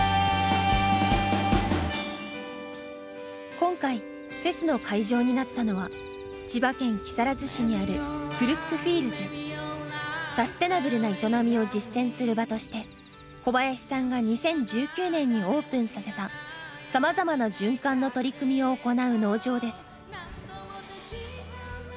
今回フェスの会場になったのはサステナブルな営みを実践する場として小林さんが２０１９年にオープンさせたさまざまな循環の取り組みを行う農場です。